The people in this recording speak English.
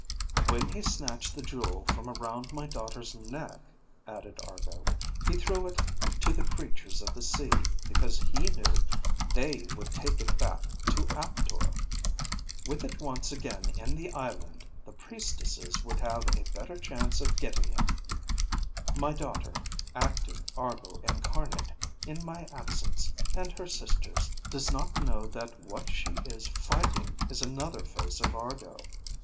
"When he snatched the jewel from around my daughter's neck," added Argo, "he threw it to the creatures of the sea because he knew they would take it back to Aptor. With it once again in the island, the priestesses would have a better chance of getting it; my daughter, acting Argo Incarnate in my absence and her sister's, does not know that what she is fighting is another face of Argo.